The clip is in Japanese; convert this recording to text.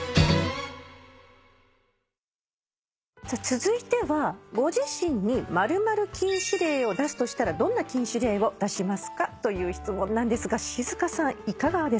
続いてはご自身に○○禁止令を出すとしたらどんな禁止令を出しますか？という質問なんですが静香さんいかがですか？